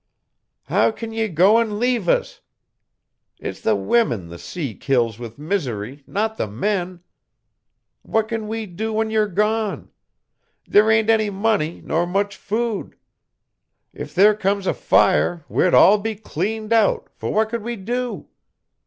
"How can ye go an' leave us? It's the women the sea kills with misery, not the men. What can we do when you're gone? There ain't any money nor much food. If there come a fire we'd all be cleaned out, for what could we do?